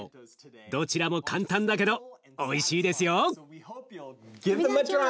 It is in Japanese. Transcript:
どちらも簡単だけどおいしいですよ。